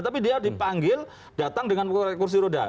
tapi dia dipanggil datang dengan kursi roda